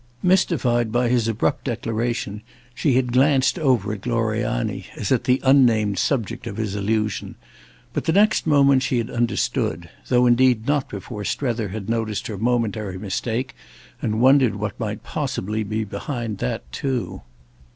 Mystified by his abrupt declaration, she had glanced over at Gloriani as at the unnamed subject of his allusion, but the next moment she had understood; though indeed not before Strether had noticed her momentary mistake and wondered what might possibly be behind that too.